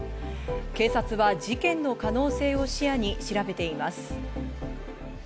警察は事件の可能性を視野に調べています。